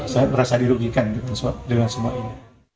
saya merasa dirugikan dengan semua ini